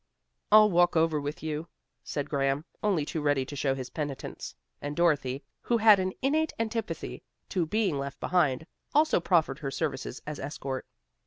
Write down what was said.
"I'll walk over with you," said Graham, only too ready to show his penitence, and Dorothy, who had an innate antipathy to being left behind, also proffered her services as escort.